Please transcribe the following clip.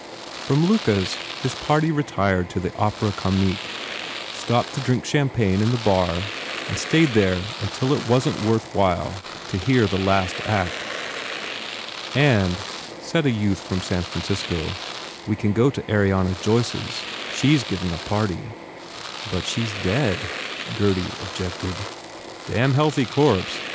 From Luca s his party retired to the Opera Comique, stopped to drink champagne in the bar and stayed there until it wasn t worth while to hear the last act. u And," said a youth from San Francisco, "we can go to Ariana Joyce s. She s giving a party." "But she s dead," Gurdy objected. 1 08 M A R G O T "Damn healthy corpse!